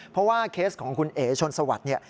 เพราะว่าเคสของคุณเอ๋ชนสวัสดิ์เนี่ย